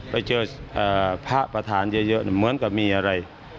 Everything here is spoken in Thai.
แล้วเจอภาพระธานเยอะเหมือนกับมีอะไร